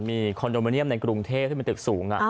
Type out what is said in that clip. มีคอนโดมิเนียมในกรุงเทพที่เป็นตึกสูง